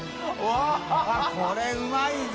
これうまいぜ。